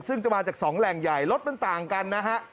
ซึ่งจะมาจากสองแหล่งใหญ่รถมันต่างกันนะฮะ